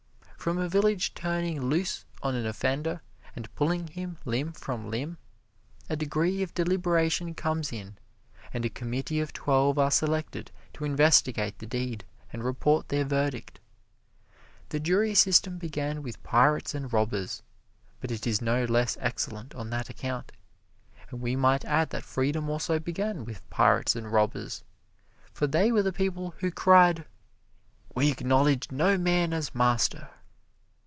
From a village turning loose on an offender and pulling him limb from limb, a degree of deliberation comes in and a committee of twelve are selected to investigate the deed and report their verdict. The jury system began with pirates and robbers, but it is no less excellent on that account, and we might add that freedom also began with pirates and robbers, for they were the people who cried, "We acknowledge no man as master."